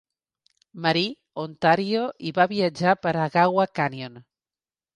Marie, Ontario i va viatjar per Agawa Canyon.